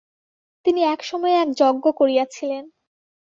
তিনি এক সময়ে এক যজ্ঞ করিয়াছিলেন।